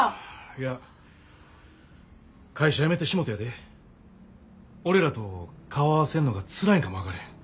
いや会社辞めてしもてやで俺らと顔合わせんのがつらいんかも分かれへん。